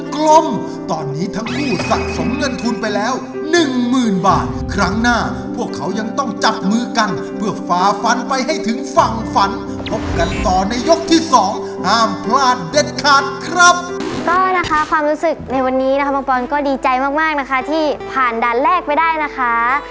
ก็นะคะความรู้สึกในวันนี้นะคะมองบอนก็ดีใจมากนะคะที่ผ่านด้านแรกไปได้นะคะ